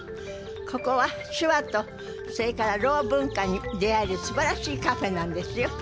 ここは手話とそれからろう文化に出会えるすばらしいカフェなんですよ。